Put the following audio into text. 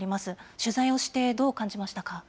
取材をしてどう感じましたか。